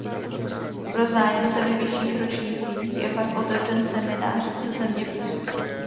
Pro zájemce ve vyšších ročnících je pak otevřen seminář ze zeměpisu.